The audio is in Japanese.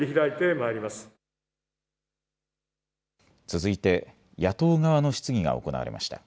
続いて野党側の質疑が行われました。